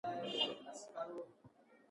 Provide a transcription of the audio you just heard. بندیان به په دغو زیرزمینیو کې ډېر ځورېدل.